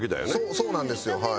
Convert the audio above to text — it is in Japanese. そうなんですよはい。